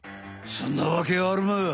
そんなわけあるまい。